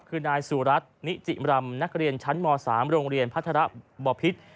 คือนายสุรัตนนิจิมรำนักเรียนชั้นม๓โรงเรียนพัฒระบพิษ